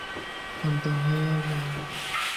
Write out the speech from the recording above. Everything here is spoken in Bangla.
শান্ত হয়ে নাও।